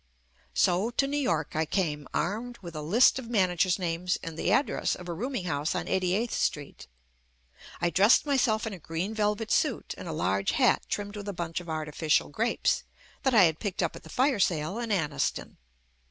So to New York I came, armed with a list of managers' names and the address of a room ing house on 88th Street. I dressed myself in a green velvet suit and a large hat trimmed with a bunch of artificial grapes that I had picked up at the fire sale in Anniston.